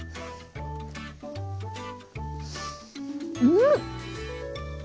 うん！